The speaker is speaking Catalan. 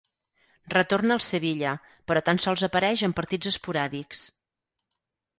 Retorna al Sevilla, però tan sols apareix en partits esporàdics.